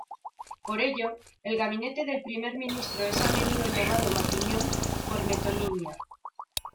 Por ello, el gabinete del primer ministro es a menudo llamado Matignon, por metonimia.